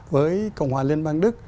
với cộng hòa liên bang đức